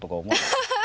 ハハハハ！